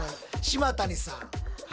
島谷さん。